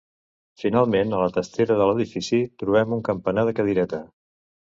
Finalment a la testera de l'edifici trobem un campanar de cadireta.